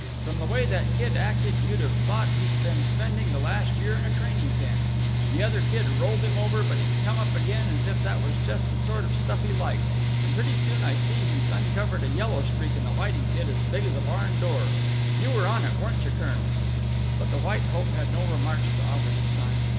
From the way that kid acted you'd have thought he'd been spending the last year in a training camp. The other kid rolled him over, but he come up again as if that was just the sort of stuff he liked, and pretty soon I see that he's uncovered a yellow streak in the Whiting kid as big as a barn door. You were on it, weren't you, colonel?" But the White Hope had no remarks to offer this time.